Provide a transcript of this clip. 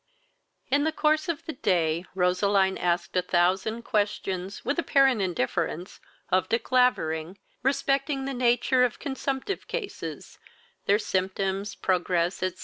VI. In the course of the day, Roseline asked a thousand questions, with apparent indifference, of De Clavering, respecting the nature of consumptive cases, their symptoms, progress, &c.